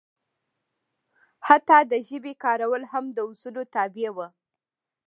حتی د ژبې کارول هم د اصولو تابع وو.